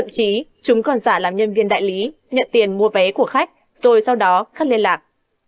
chúng còn giả làm nhân viên đại lý nhận tiền mua vé của khách rồi sau đó cắt liên lạc